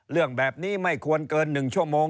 เรื่องแบบนี้ไม่ควรเกิน๑ชั่วโมง